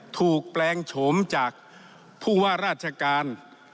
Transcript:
แปลงโฉมจากผู้ว่าราชการ